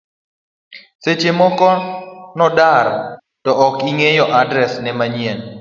seche moko nodar to ok ing'eyo adres ne manyien,